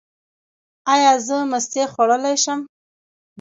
ایا زه مستې خوړلی شم؟